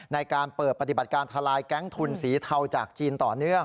ในการเปิดปฏิบัติการทลายแก๊งทุนสีเทาจากจีนต่อเนื่อง